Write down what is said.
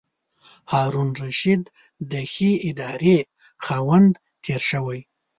هارون الرشید د ښې ادارې خاوند تېر شوی.